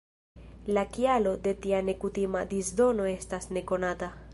La kialo de tia nekutima disdono estas nekonata.